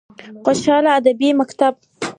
خوشحال ادبي مکتب: